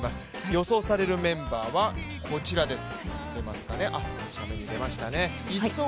予想されるメンバーはこちらです。